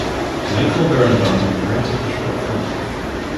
Michael Berenbaum narrated the short film.